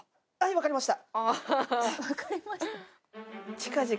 分かりました。